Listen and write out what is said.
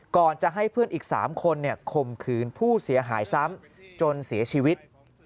ก่อนจะให้เพื่อนอีก๓คนข่มขืนผู้เสียหายซ้ำจนเสียชีวิต